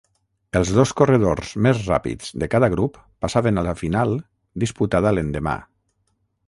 Els dos corredors més ràpids de cada grup passaven a la final, disputada l'endemà.